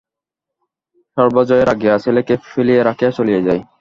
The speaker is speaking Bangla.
সর্বজয়া রাগিয়া ছেলেকে ফেলিয়া রাখিয়া চলিয়া যায়।